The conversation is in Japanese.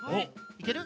いける。